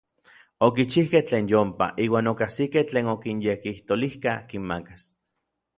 Okichijkej tlen yompa, iuan okajsikej tlen okinyekijtolijka kinmakas.